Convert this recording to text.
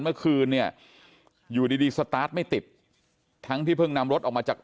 เมื่อคืนเนี่ยอยู่ดีดีสตาร์ทไม่ติดทั้งที่เพิ่งนำรถออกมาจาก